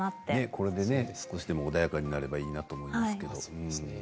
これで少しでも穏やかになればいいなと思うんですけど。